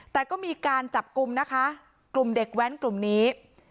แต่ก็มีการจับกลุ่มนะคะกลุ่มเด็กแว้นกลุ่มนี้